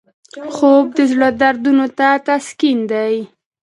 خوب د زړه دردونو ته تسکین دی